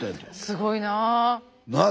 すごいな。なあ。